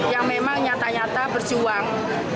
yang memang nyata nyata berjuang